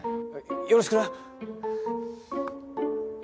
よろしくな。